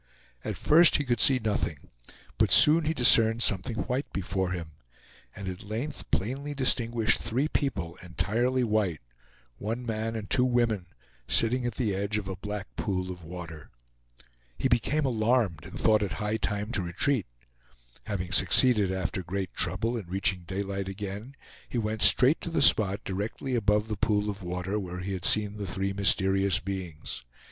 At first he could see nothing, but soon he discerned something white before him, and at length plainly distinguished three people, entirely white; one man and two women, sitting at the edge of a black pool of water. He became alarmed and thought it high time to retreat. Having succeeded, after great trouble, in reaching daylight again, he went straight to the spot directly above the pool of water where he had seen the three mysterious beings.